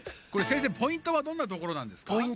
これせんせいポイントはどんなところなんですか？